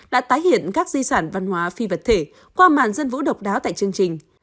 đã tái hiện các di sản văn hóa phi vật thể qua màn dân vũ độc đáo tại chương trình